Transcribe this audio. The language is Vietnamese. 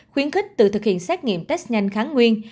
khuyến khích từ thực hiện xét nghiệm test nhanh kháng nguyên